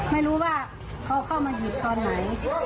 ไม่รู้ว่าเขาเข้ามาหยิบตอนไหน